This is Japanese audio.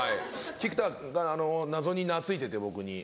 菊田が謎に懐いてて僕に。